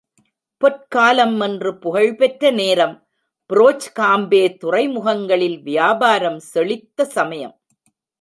பொற்காலம் என்று புகழ்பெற்ற நேரம், புரோச் காம்பே துறைமுகங்களில் வியாபாரம் செழித்த சமயம்.